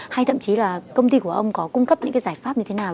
hay thậm chí là công ty của ông có cung cấp những cái giải pháp như thế nào